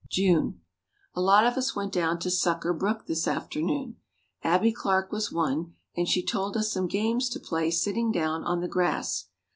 June. A lot of us went down to Sucker Brook this afternoon. Abbie Clark was one and she told us some games to play sitting down on the grass.